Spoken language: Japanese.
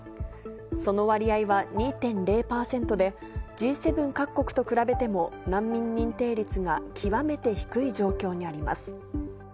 その割合は２．０％で、Ｇ７各国と比べても、難民認定率が極めて低い状況にあります。